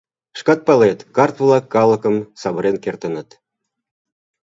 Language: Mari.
Шкат палет, карт-влак калыкым савырен кертыныт.